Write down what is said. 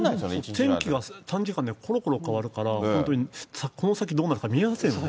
天気が一日の間でころころ変わるから、本当にこの先どうなるか、見えませんよね。